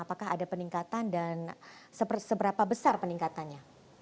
apakah ada peningkatan dan seberapa besar peningkatannya